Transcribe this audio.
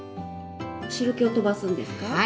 汁けをとばすんですか？